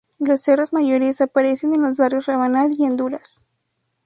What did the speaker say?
Los cerros mayores aparecen en los barrios Rabanal y Honduras.